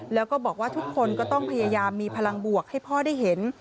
แล้วก็บอกว่าทุกคนก็ต้องพยายามมีพลังบวกให้พ่อได้เห็น